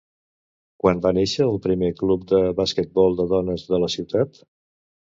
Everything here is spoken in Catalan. Quan va néixer el primer club de basquetbol de dones de la ciutat?